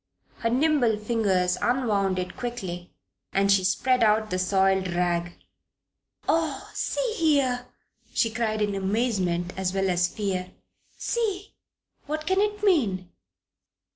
Her nimble fingers unwound it quickly and she spread out the soiled rag. "Oh, see here!" she cried, in amazement as well as fear. "See! What can it mean?